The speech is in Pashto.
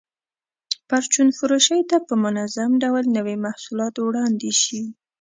پرچون فروشۍ ته په منظم ډول نوي محصولات وړاندې شي.